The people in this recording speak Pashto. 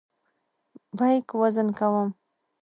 بیک وزن کوم.